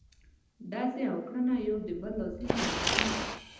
ډزې او کرنه یو د بل لازم او ملزوم دي.